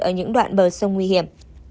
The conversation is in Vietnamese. ở những đoạn bờ sông nguy hiểm